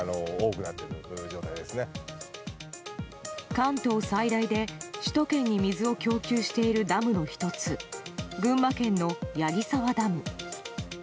関東最大で首都圏に水を供給しているダムの１つ群馬県の矢木沢ダム。